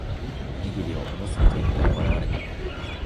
おにぎりをおむすびと言ったら笑われた